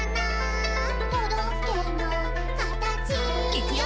「いくよ！